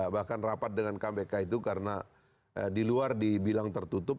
bahkan rapat dengan kpk itu karena di luar dibilang tertutup